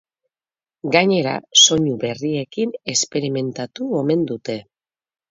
Gainera, soinu berriekin esperimentatu omen dute.